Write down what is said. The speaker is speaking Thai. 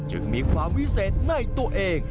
จึงมีความวิเศษในตัวเอง